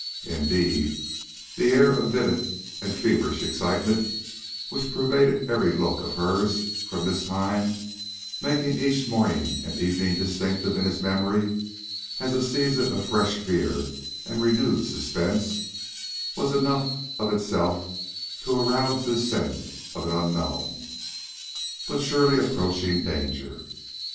Indeed, the air of vivid and feverish excitement which pervaded every look of hers from this time, making each morning and evening distinctive in his memory as a season of fresh fear and renewed suspense, was enough of itself to arouse this sense of an unknown, but surely approaching, danger.